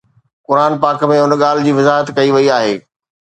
قرآن پاڪ ۾ ان ڳالهه جي وضاحت ڪئي وئي آهي